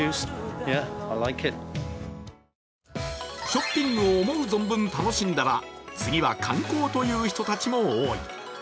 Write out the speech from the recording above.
ショッピングを思う存分楽しんだら次は観光という人たちも多い。